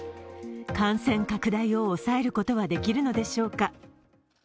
感染拡大を抑えることはできるのでしょうか。